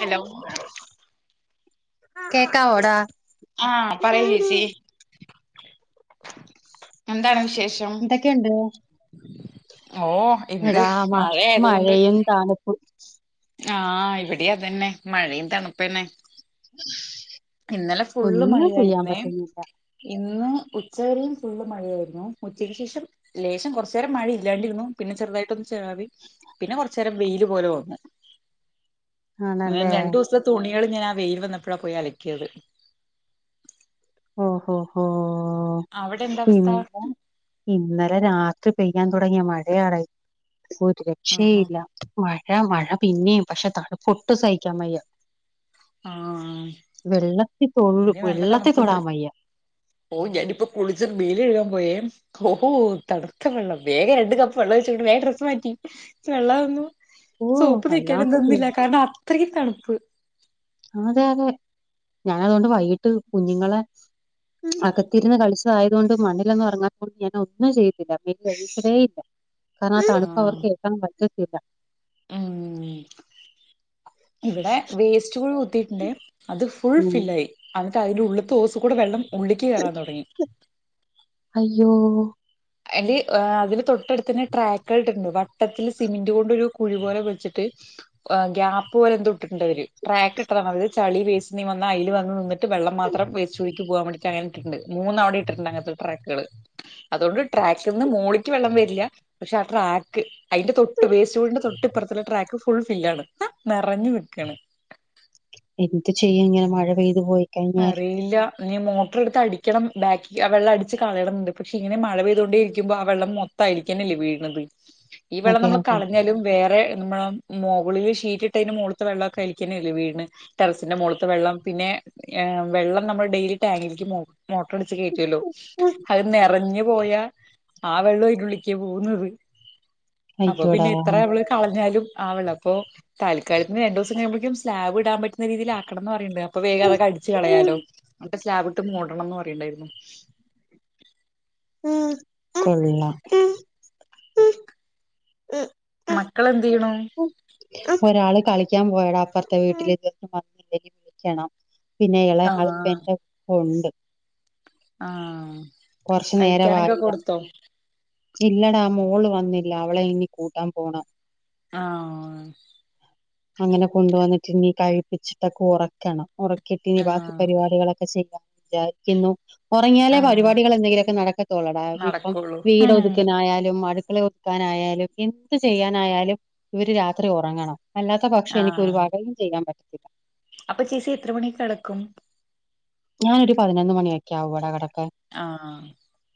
hello കേക്കാവോ ടാ ആ പറയ് ചേച്ചി എന്താണ് വിശേഷം ക്കെണ്ട് ഔഓ എടാ മ മഴയും തണുപ്പും ആ ഇവിടിം അതന്നെ മഴയും തണുപ്പന്നെ ഇന്നലെ ഫുള്ള് ഒന്നും ചെയ്യാൻ മഴയായിരുന്നേ പറ്റുന്നില്ല ഇന്ന് ഉച്ചവരെയും ഫുള്ള് മഴയായിര്ന്നു ഉച്ചയ്ക്ക് ശേഷം ലേശം കൊർച്ചേരം മഴ ഇല്ലാണ്ടിര്ന്നു പിന്നെ ചെറുതായിട്ടൊന്ന് ചാറി പിന്നെ കൊർച്ചേരം വെയില് പോലെ വന്ന് ആണല്ലേ അങ്ങനെന്ന് രണ്ടുസ്ത്തെ തുണികള് ഞാൻ ആ വെയില് വന്നപ്പഴാ പോയി അലക്കിയത് ഒഹോ ഹോ ഹോ അവിടെ എന്താ അവസ്ഥ ഇവിടെ ഇന്നലെ രാത്രി പെയ്യാൻ തുടങ്ങിയ മഴയാടാ ഒരു ആഹ് രക്ഷേഇല്ല മഴ മഴ പിന്നേം പക്ഷെ തണുപ്പ് ഒട്ടും സഹിക്കാൻ വയ്യ ആഹ് വെള്ളത്തി തൊഴു വെള്ള പ്ണ്ട് ഓ ഞാനിപ്പോ കുളിച്ച് മേല് കഴുകാൻ പോയേ ഓഹോ തണുത്ത വെള്ളം വേഗം രണ്ട് കപ്പ് വെള്ളം ഒഴിച്ചകാണ്ട് വേം ഡ്രസ്സ് മാറ്റി വെള്ളംന്നും ഓ സോപ്പ് തേക്കാനൊന്നും വല്ലാത്തൊരു നിന്നില്ല കാരണം അത്രക്കും തണുപ്പ് അതെ അതെ ഞാൻ അതുകൊണ്ട് വൈകിട്ട് കുഞ്ഞുങ്ങളെ അകത്തിരുന്ന് കളിച്ച ആയത് കൊണ്ട് മണ്ണിലൊന്നും ഇറങ്ങാത്തോണ്ട് ഞാൻ ഒന്നും ചെയ്തില്ല [unintelligible] കാരണം ആ തണുപ്പ് ആഹ് അവർക്ക് ഏൽക്കാൻ പറ്റത്തില്ല ഉം ഇവിടെ വേസ്റ്റ് കുഴി കുത്തിയിട്ടുണ്ട് അത് ഫുൾ ഉം ഫില്ലായി അന്നിട്ട് അതിന്റെ ഉള്ള്ത്തെ ഓസ് കൂടെ വെള്ളം ഉള്ളിക്ക് കേറാൻ തുടങ്ങി അയ്യോ അയ്ന്റെ അതില് തൊട്ടടുത്തന്നെ ട്രാക്കായിട്ടുണ്ട് വട്ടത്തിത്തില് സിമെന്റ് കൊണ്ട് ഒരു കുഴി പോലെ വെച്ചിട്ട് ഗ്യാപ് പോലെ എന്തോ ഇട്ടിട്ടുണ്ട് അവര് ട്രാക്ക് ഇട്ടതാണ് അവര് ചളി വേസ്റ്റ് എന്തേ വന്ന അതിൽ വന്ന് നിന്നിട്ട് വെള്ളം മാത്രം വേസ്റ്റ് കുഴിക്ക് പോകാൻ വേണ്ടിട്ട് അങ്ങന ഇട്ട്ട്ടുണ്ട് മൂന്ന് അവടേം ഇട്ട്ട്ടുണ്ട് അങ്ങൻത്തെ ട്രാക്കുകള് അതുകൊണ്ട് ട്രാക്കിന്ന് മോളിക്ക് വെള്ളം വരില്ല പക്ഷെ ആ ട്രാക്ക് അയ്ന്റെ തൊട്ട് വേസ്റ്റ് കുഴിന്റെ തൊട്ട് ഇപ്പുറത്തുള്ള ട്രാക്ക് ഫുൾ ഫില്ലാണ് നിറഞ് നിക്കാണ് എന്ത് ചെയ്യും ങ്ങനെ മഴ പെയ്തു പോയി കഴിഞ്ഞാൽ അറിയില്ല നി മോട്ടർ എടുത്ത് അടിക്കണം ബാക്കി ആ വെള്ളം അടിച്ച് കളയണന്ന്ണ്ട് പക്ഷേ ഇങ്ങന മഴ പെയതോണ്ടേ ഇരിക്കുമ്പോ ആ വെള്ളം ത്തൈൽക്കന്നെ എല്ലേ വീഴ്ണത് ഈ വെള്ളം അതെ നമ്മള് അതെ കളഞ്ഞാലും വേറെ നുമ്മഴാ മോകളില് ഷീറ്റ് ഇട്ടൈന്റെ മാേൾത്തെ വെള്ളൊക്കെ അയിൽക്കെന്നെ എല്ലെ വീഴ്ണ് ടെറസിന്റെ മോൾത്തെ വെള്ളം പിന്നെ ഏഹ് വെള്ളം നമ്മൾ ഡെെലി ടാങ്കിൽക്ക് പോവും മോട്ട്റ് അടിച്ച് കേറ്റാെല്ലോ അത് നെറഞ്ഞ് പോയാ ആ വെള്ളും ഐൻ്റെ ഉള്ളിക്കാ പോവുന്നത് അപ്പൊ അയ്യോടാ പിന്നെ എത്ര നമ്മള് കളഞ്ഞാലും ആ വെള്ളം അപ്പോ താൽക്കാൽത്തിന് രണ്ടൂസം കഴിയുമ്പക്കും സ്ലാബ് ഇടാംപറ്റുന്ന രീതിയിൽ ആക്കണംന്ന് പറയ്ണ്ട് അ ഇപ്പൊ വേഗം അതൊക്കെ അടിച്ച് കളയാലോ അൽപം സ്ലാവിട്ട് മൂടണംന്ന് പറയ്ണ്ടായിരുന്നു ഉം പിന്നെ ഉം മക്കളെന്തിയ്യുണു ഒരാള് കളിക്കാൻ പോയടാ അപ്പർത്തെ വീട്ടിലേക്ക് [unintelligible] വന്നില്ലേ വിളിണോ പിന്നെ ഇളയ ആൾക്കെ ആഹ് എന്റെ ഉണ്ട് [unintelligible] ആഹ് കൊറച്ചു കയിക്കാനെക്കെ നേരമായി കൊടുത്തോ രണ്ടിന് ഇല്ലടാ മോള് വന്നില്ല അവളെ ഇന്ന് കൂട്ടാംപോണം ആഹ് അങ്ങനെ കൊണ്ട് വന്ന്ട്ട് ഇനി കഴിപ്പിച്ചിട്ടൊക്കെ ഒറക്കണം ഒറക്കിയിട്ടിനി ബാക്കി ആഹ് പരിവാടികളൊക്കെ ചെയ്യാം വിജാരിക്കുന്നു ഒറങ്ങിയാലെ ആഹ് പരിവാടികൾ എന്തെങ്കിലൊക്കെ നടക്കത്തൊള്ളടാ ഇപ്പം നടക്കുള്ളൂ വീടൊത് ഉം ക്കെനായാലും അട്ക്കളെ ഒത്ക്കാനായാലും എന്ത് ചെയ്യാനായാലും ഇവര് രാത്രി ഒറങ്ങണം അല്ലാത്ത പക്ഷം എനിക്ക് ഒരു ആഹ് വാകയും ചെയ്യാംപറ്റത്തില്ല അപ്പൊ ചേച്ചി എത്ര മണിക്ക് കെടക്കും ഞാനൊര് പതിനൊന്ന് മണിയെക്കെ ആവോടാ കടക്കാൻ ആഹ്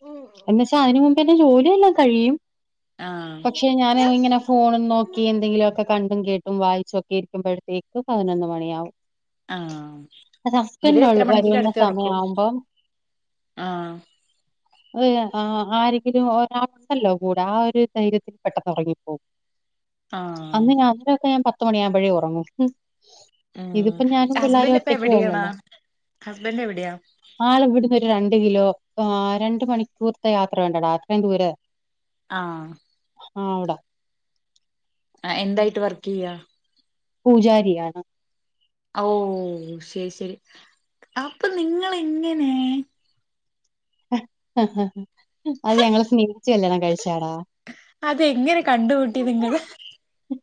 ഉം എന്ന് വെച്ചാ ഐന് മുമ്പെന്നെ ജോലിയെല്ലാം കഴിയും ആഹ് പക്ഷെ ഞാന് ഇങ്ങനാ ഫോണും നോക്കി എന്തെങ്കിലുവൊക്കെ കണ്ടും കേട്ടും വായിച്ചും ഒക്കെ ഇരിക്കുമ്പഴ്ത്തേക്ക് പതിനൊന്ന് മണിയാവും ആഹ് ഇവരെ ഹസ്ബൻഡ് എത്ര മണിക്ക് വരുന്ന കെടത്തി ഒറക്കും സമയമാവുമ്പം ആഹ് അത് ശെരിയാണ് ആഹ് ആരെങ്കിലും ഒരാള്ണ്ടല്ലോ കൂടെ ആ ഒര്ധൈര്യത്തി പെട്ടെന്ന് ഒറങ്ങിപ്പോവും ആഹ് അന്ന് ഞാ അവരൊക്കെ ഞാൻ പത്ത് മണിയാവുമ്പഴേ ഒറങ്ങൂ ഉം ഇത്പ്പെ ഞാനും പിള്ളാരും ഒറ്റക്കേ ഒള്ളല്ലോ ഹസ്ബെൻഡ് എവ്ടെയാ ആള് ഇവ്ട്ന്ന് ഒരു രണ്ട് കിലോ ആഹ് രണ്ട് മണിക്കൂർത്തെ യാത്ര വേണ്ടെടാ അത്രയും ദൂരെ ആഹ് ആഹ് അവ്ടെ ആഹ് എന്തായിട്ട് വർക്കിയ്യാ പൂജാരിയാണ് ഓഹ് ശെരി ശെരി അപ്പൊ നിങ്ങളെങ്ങനെ എഹ് ഹ ഹ അത് ഞങ്ങള് സ്നേഹിച്ച് കല്യാണം കഴിച്ചയാടാ അത് എങ്ങനെ കണ്ടുമുട്ടി നിങ്ങള്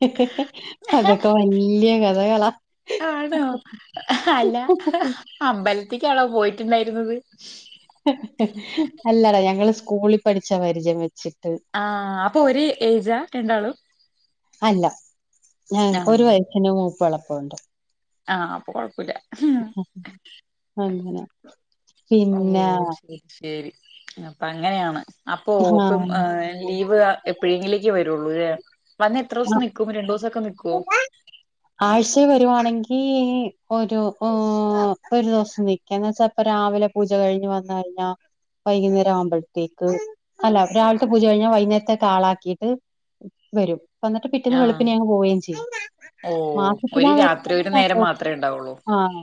ഇഹ് ഹ് ഹെ അതൊക്കെ വല്യേ കഥകളാ ആണോ എഹ്അല്ലാ ഹ് അമ്പൽത്തിക്കാണോ പോയിട്ട് ഇണ്ടായിര്ന്നത് ഹെ ഹെ അല്ലടാ ഞങ്ങള് സ്കൂളിൽ പഠിച്ച പരിചയം വെച്ചിട്ട് ആഹ് അപ്പൊ ഒര്ഏജാ രണ്ടാളും അല്ല ഞങ്ങക്ക് ഒരു ആഹ് വയസ്സിന്റെ മൂപ്പുംഎളപ്പും ഉണ്ട് ആഹ് അപ്പൊ കൊഴപ്പുല്യ ഉം അങ്ങനെ ഓ പിന്നെ ശരി ശരി അപ്പൊ അങ്ങനെയാണ് ഹാ അപ്പൊഓപ്പും ലീവ് എപ്പോഴെങ്കിലേക്ക് വരു ഒള്ളൂലെ വന്ന എത്ര ദിവസം നിക്കും രണ്ടു ദിവസൊക്കെ നിക്കോ ആഴ്ച്ചേ വരുവാണെങ്കി ഒരു ഓ ഒരു ദിവസം നി ക്യുന്നെച്ചാപ്പ രാവിലെ പൂജ കഴിഞ്ഞ് വന്ന് കഴിഞ്ഞ വൈകുന്നേരം ആവുമ്പോഴത്തേക്ക് അല്ല രാവിൽത്തെ പൂജ കഴിഞ്ഞാൽ വൈകുന്നേരത്തെക്ക് ആളാക്കിട്ട് വരും വന്നിട്ട് പിറ്റേന്ന് ആഹ് വെളുപ്പിനെ അങ്ങ് പോവേം ചെയ്യും ഓ ഒരു മാസത്തിലാ രാത്രി വരുന്നെങ്കി ഒരു രണ്ട് ദിവസം ആഹ്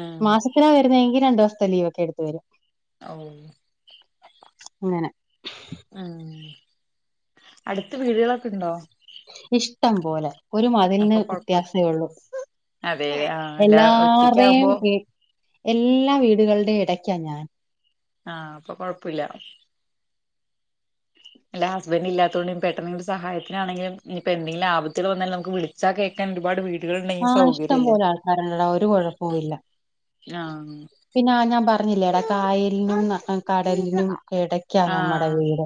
ആഹ് മാസത്തിലാ വരുന്നെങ്കി രണ്ടുസത്തെ ലീവ് ഒക്കെ എടുത്ത് വരും ഔ അങ്ങനെ ആഹ് അടുത്ത് വീടുകളൊക്കെ ഇണ്ടോ ഇഷ്ടം പോലെ ഒരു മതിൽന്ന് അപ്പൊ കൊഴപ്പ വ്യത്യാസെ ഓള്ളു അതെ ആ അല്ല ഒറ്റക്കാവുമ്പോ എല്ലാര്ടെം വി എല്ലാ വീടുകളുടെയും എടയ്ക്കാ ഞാൻ ആഹ് അപ്പൊ കൊഴപ്പുല്യ അല്ല ഹസ്ബൻഡ് ഇല്ലാതോണ്ട് പെട്ടന്ന്ങ്ങട്ട് സഹായത്തിനാണെങ്കിലുംഇഞ് ഇപ്പൊ എന്തെങ്കിലും ആപത്ത്ള് വന്നാൽ നമുക്ക് വിളിച്ചാ കേക്കാൻ ഒരുപാട് വീ ആഹ് ഇഷ്ടം പോലെ ആൾക്കാര്ണ്ട്ടാ ഒരു കൊഴപ്പവും ഇല്ല ആഹ് പിന്നെ ആഹ് ഞാൻ പറഞ്ഞില്ലേടാ കായലിനും കടലിനും എട ക്കാ നമ്മടെ ആഹ് വീട്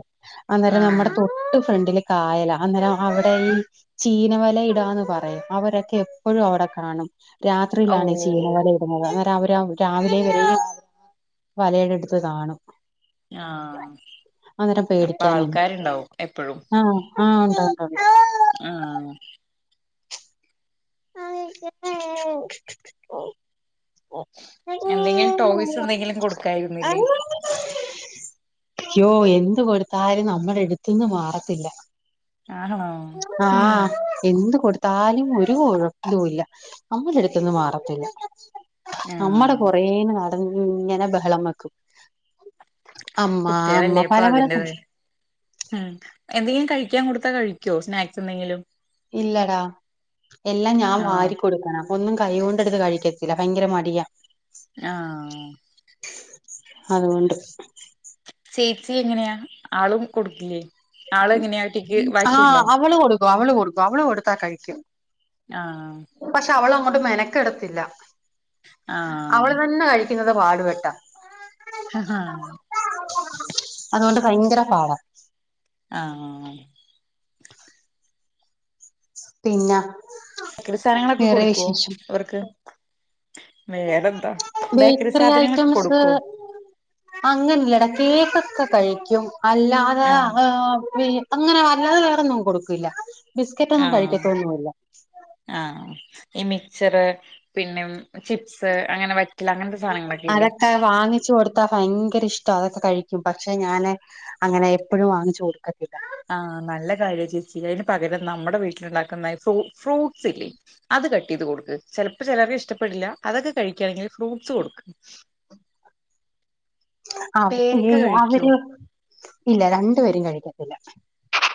അന്നേരം നമ്മുടെ ആഹ് തൊട്ട് ഫ്രണ്ടില് കായല അന്നേരം അവിടെ ഈ ചീനവലയിടാന്ന് പറയും അവരൊക്കെ എ പ്പഴും അവിടെ കാണും രാത്രിയിലാണ് ഈ ഓഹ് ചീനവല ഇ ടുന്നത് അന്നേരം അവര് രാവിലെ വരെ വലയുടെ അടുത്ത് കാണും ആഹ് അന്നേരം അപ്പൊ പേടിക്കാനില്ല ആൾക്കാര്ണ്ടാവും എപ്പഴും ആഹ് ആഹ് ണ്ടാവുംണ്ടാവും ആഹ് [unintelligible] എന്തെങ്കിലും ടോയ്സ് എന്തെങ്കിലും കൊടുക്കായിരുന്നില്ലേ യ്യോ എന്ത് കൊടുത്താലും നമ്മുടെ എട്ത്ത്ന്ന് മാറത്തില്ല ആണോ ഉം ആഹ് എന്ത് കൊടു ത്താലും ഒരു കൊഴപ്പൂല്ല നമ്മളെ അടുത്ത്ന്ന് മാറത്തില്ല നമ്മടെ ആഹ് പൊറകെ നടന്ന് ഇങ്ങനെ ബഹളം വെക്കും അമ്മാ അമ്മാ പലതരം കു എ എന്തെങ്കിലും കഴിക്കാൻ കൊടുത്താ കഴിക്കോ സ്നാക്സ് എന്തെങ്കിലും ഇല്ലടാ എല്ലാം ഞാൻ ആഹ് വാരി കൊടുക്കണം ഒന്നും കയ്യോണ്ടെടുത്ത് കഴിക്കത്തില്ല ഭയങ്കര മടിയ ആഹ് അതുകൊണ്ട് ചേച്ചി എങ്ങനെയാ ആളും കൊടുക്കില്ലേ ആള് എങ്ങനെയാ ഒറ്റക്ക് ആഹ് വാശിയുണ്ടോ അവള് കൊടുക്കും അവള് കൊടുക്കും അവള് കൊടുത്താ കഴിക്കും ആഹ് പക്ഷെ അവള് അങ്ങോട്ട് മെനക്കെടത്തില്ല അവള് ആഹ് തന്നെ കഴി ക്കുന്നത് പാടുപ്പെട്ട ഹ ആഹ് അതുകൊണ്ട് ഭയങ്കര പാടാ ആഹ് ആഹ് പിന്നെ ക്കറി സാനങ്ങളൊക്കെ വേറെ കൊടുക്കൊ വിശേഷം അവർക്ക് വേറെന്താ ബേക്കറി സാധനങ്ങളൊക്കെ കൊടുക്കും അങ്ങനെല്ലടാ കേക്കൊക്കെ കഴിക്കും അല്ലാതെ ആഹ് ഏഹ് പി അങ്ങനെ വല്ലാതെ വേറൊന്നും കൊടുക്കില്ല ബിസ്ക്കറ്റ് ഒന്നും ആഹ് കഴിക്കത്തൊന്നുല്ല ആഹ് ഈ മിക്സ്ച്ചറ് പിന്നേം ചിപ്സ് അങ്ങനെ [unintelligible] അങ്ങൻത്തെ സാനങ്ങളൊക്കെ ഇല്ലേ വാങ്ങിച്ചുടു ത്താ ഭയങ്കര ഇഷ്ടവാ അതൊക്കെ കഴിക്കും പക്ഷെ ഞാന് അങ്ങനെ എപ്പഴും വാങ്ങിച്ചു കൊടുക്കത്തില്ല ആഹ് നല്ല കാര്യം ചേച്ചി അയ്ന് പകരം നമ്മുടെ വീട്ടിലുണ്ടാക്കുന്ന ഫൂ ഫ്രൂട്ട്സ് ഇല്ലേ അത് കട്ട്യ്ത് കൊടുക്ക് ചിലപ്പോ ചിലർക്ക് ഇഷ്ടപ്പെടില്ല അതൊക്കെ കഴികാണെങ്കി ഫ്രൂട്ട്സ് കൊടുക്ക് ആഹ് പേരക്ക അവ കഴിക്കോ അവര് ഇല്ല രണ്ടു പേരും കഴിക്കത്തില്ല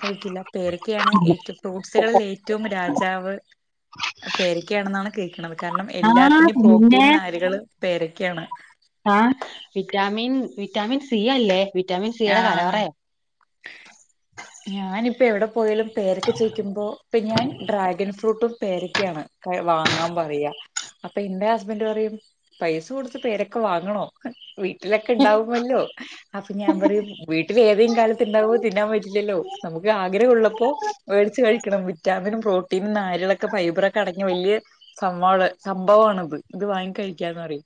കഴിക്കില്ല പേരക്കെയാണ് ഏറ്റ ഫ്രൂട്ട്സുകളിൽ ഏറ്റവും രാജാവ് പേരക്കാണെന്നാണ് കേക്ണത് കാരണം ആ എല്ലാത്തിന്റെയും പ്രോട്ടീൻ പിന്നെ നാരുകള് പേരക്കെയാണ് ആഹ് വിറ്റാമിൻ വിറ്റാമിൻ സി അല്ലേ വി ആഹ് ആഹ് ഞാനിപ്പോ എവിടെ പോയാലും പരൊക്കെ ചയിക്കുമ്പോ ഇപ്പം ഞാൻ ഡ്രാഗൺ ഫ്രൂട്ടും പേരൊക്കെയാണ് ക്ക വാങ്ങാൻ പറയാ അപ്പൊ എന്റെ ഹസ്ബൻഡ് പറയും പൈസ കൊടുത്ത് പേരക്കെ വാങ്ങണോ ട്ടിലൊക്കെ ണ്ടാവുമല്ലോ അത് ഞാൻ പറയും വീട്ടിലേ ഏതേം കാലത്ത് ഉണ്ടാഓ തിന്നാൻ പറ്റില്ലല്ലോ നമുക്ക് ആഗ്രഹ ള്ളപ്പോ വേട്ച്ച് കഴിക്കണം വിറ്റാമിനും പ്രോട്ടീനും നാരളൊക്കെ ഫൈബറൊക്കെ അടങ്ങി വല്യ സംവറെ സംഭവാണത് ഇത് വാങ്ങി കഴിക്കാന്ന് പറി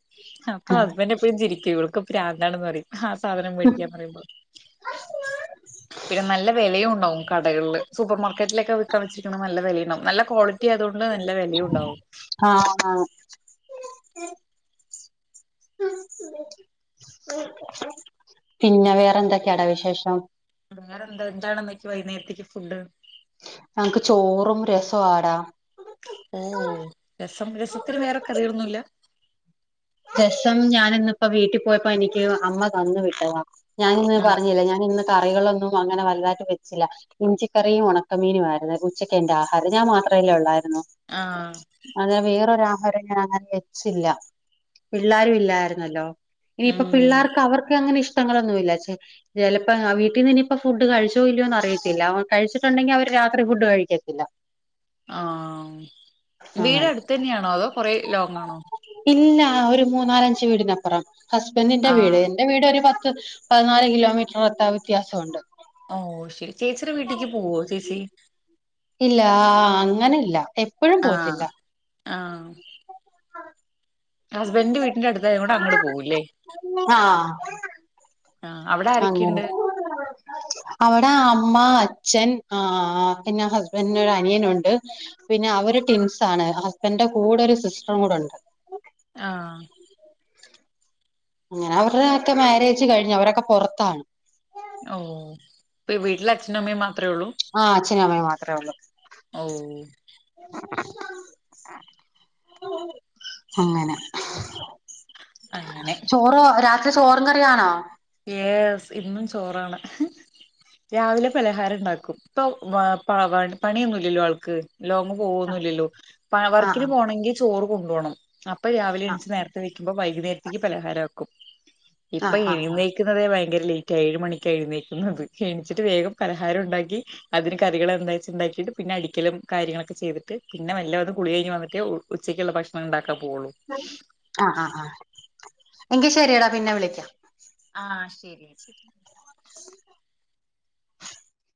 അപ്പൊ ഹസ്ബൻഡറ് എപ്പഴും ചിരിക്കും ഇവൾക്ക് പ്രാന്താണന്ന് പറയും ആഹ് സാധനം വെ ക്ക്യാ പറയുമ്പോ പിന്നെ നല്ല വെലയുണ്ടാവും കടകൾല് സൂപ്പർ മാർക്കറ്റിലൊക്കെ വിക്കാൻ വെച്ചിരിക്കുന്നത് നല്ല വിലയുണ്ടാവും നല്ല ക്വാളി കിട്ടിയതുണ്ട് നല്ല വെലെണ്ടാവും ആഹ് ആഹ് പിന്നെ വേറെ എന്തൊക്കെട വിശേഷം അഹ് വേറെ എന്ത എന്താണന്നൊയ്ക വൈന്നേരത്തേക്ക് ഫുഡ് നംക്ക് ചോറും രസാടാം ഉ ഊ രസം രസത്തിന് വേറെ കറികളൊന്നുല്ല രസം ഞാാനന്നിപ്പോ വീട്ടി പോയപ്പോ എനിക്ക് അമ്മ തന്നു വിട്ടതാ ഞാനിന്ന് ആഹ് പറഞ്ഞില്ല ഞാൻ ഇന്ന് കറികളൊന്നും അങ്ങനെ വലുതായിട്ട് വെച്ചില്ല ഇഞ്ചിക്കറിയും ഉണക്കമീനും ആയിരുന്നു ഉച്ചക്ക് എന്റെ ആഹാരം ഞാൻ മാത്രല്ലേ ഉള്ളായിരുന്നു ആഹ് അതെ വേറൊരു ആഹാരം ഞാൻ അങ്ങനെ വെച്ചില്ല പിള്ളേരു ഇല്ലായിരുന്നല്ലോ ഇനിയിപ്പ ഉം പിള്ളേർക്ക് അവർക്ക് അങ്ങനെ ഇഷ്ടങ്ങളൊന്നുല്ല ച്ചേ ചെലപ്പങ്ങാ വീട്ടിന്നി നിയിപ്പോ ഫുഡ് കഴിച്ചോ ഇല്ലയോന്ന് അറിയത്തില്ല കഴിച്ചിട്ടുണ്ടെങ്കി അവര് രാത്രി ഫുഡ് കഴിക്കത്തില്ല ആഹ് അങ്ങനെ വീട് അടുത്തു തന്നെയാണോ അതോ കൊറെ ലോങ്ങാണോ ഇല്ല ഒരു മൂന്നാലഞ്ചു വീടിനപ്പുറം ഹസ്ബൻഡിന്റെ വീട് ആഹ് എന്റെ വീട് ഒരു പത്ത് പതിനാല് കിലോമീറ്ററകത്താ വ്യത്യാസമുണ്ട് ഓ ശരി ചേച്ചിയുടെ വീട്ടേക്ക് പോവോ ചേച്ചി ഇല്ലാ അങ്ങനല്ല ആഹ് ആഹ് ഹസ്ബൻഡിന്റെ വീട്ടിൻ്റെ അടുത്തായോണ്ട് അങ്ങട് പോവൂല്ലേ ആഹ് ആഹ് അവിടെ അങ്ങനെ ആരൊക്കേണ്ട് അവിടെ അമ്മ അച്ഛൻ ആ പിന്നെ ഹസ്ബൻ്റിൻ്റെ ഒരു അനിയനുണ്ട് പിന്നെ അവര് ട്വിൻസ് ആണ് ഹസ്ബൻന്റെ കൂടെ ഒരു സിസ്റ്ററും കൂടൊണ്ട് ആഹ് അങ്ങനെ അവരുടെ ഒക്കെ മാരേജ് കഴിഞ്ഞ് അവരൊക്കെ പൊറത്താണ് ഓ ഇപ്പ വീട്ടിൽ അച്ഛനുവമ്മേം മാത്രേ ഉള്ളൂ ആഹ് അച്ഛനുമമ്മേം മാത്രേ ഉള്ളൂ ഓ അങ്ങനെ അങ്ങനെ ചോറോ രാത്രി ചോറും കറീവാണോ യേസ് ഇന്നും ചോറാണ് രാവിലെ പലഹാരം ണ്ടാക്കും ഇപ്പൊ വ പ പണിയൊന്നൂല്ലല്ലോ ആൾക്ക് ലോങ്ങ് പോവൊന്നില്ലല്ലോ വർക്കിന് ആഹ് പോണെങ്കി ചോറ് കൊണ്ടു പോണം അപ്പൊ രാവിലെ ആഹ് എണീച്ചു നേരത് വെക്കുമ്പോ വൈകുന്നേരത്തേക്ക് പലഹാരാക്കും ഇപ്പൊ ആഹ് ആഹ് എഴുന്നേ ന്നേക്കുന്നതേ ഭയങ്കര ലേറ്റായി ഏഴ് മണിക്കായെഴുന്നേക്കുന്നത് എണീച്ചിട്ട് വേഗം പലഹാരം ഉണ്ടാക്കി അതിന് കറികൾ എന്താച്ചാ ഉണ്ടാക്കിയിട്ട് പിന്നെ അടിക്കലും കാര്യങ്ങളൊക്കെ ചെയ്തിട്ട് പിന്നെ വല്ല ഒന്ന് കുളി കഴിഞ്ഞ് വന്നിട്ടേ ഉച്ചക്കുള്ള ഭക്ഷണം ഉണ്ടാക്കാ പോവുള്ളൂ ആഹ് ആഹ് ആഹ് എങ്കി ശരിയടാ പിന്നെ വിളിക്കാം ആഹ് ശരി